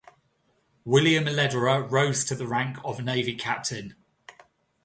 William Lederer rose to the rank of Navy Captain.